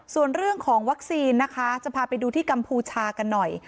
ส่วนเรื่องของวัคซีนนะคะจะพาไปดูที่กัมพูชากันหน่อย